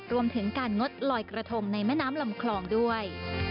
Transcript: รวมถึงการงดลอยกระทงในแม่น้ำลำคลองด้วย